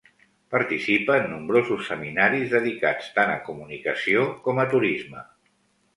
Participa en nombrosos seminaris dedicats tant a comunicació com a turisme.